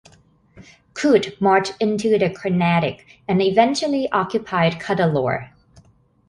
Coote marched into the Carnatic, and eventually occupied Cuddalore.